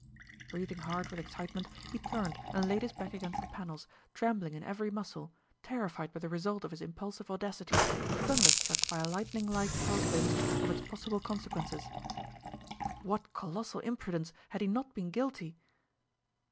Breathing hard with excitement he turned and laid his back against the panels, trembling in every muscle, terrified by the result of his impulsive audacity, thunder struck by a lightning like foreglimpse of its possible consequences. Of what colossal imprudence had he not been guilty?